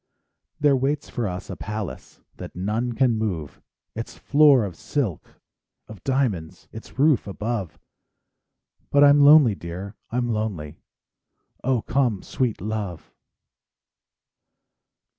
There waits for us a palace That none can move; Its floor of silk—of diamonds Its roof above; But I'm lonely, dear, I'm lonely — Oh, come, sweet love!